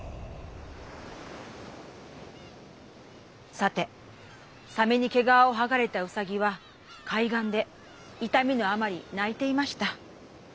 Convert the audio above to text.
「さてサメに毛がわをはがれたうさぎは海岸でいたみのあまりないていました。